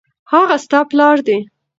هغه ستا پلار دی